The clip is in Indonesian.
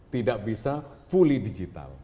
tidak bisa fully digital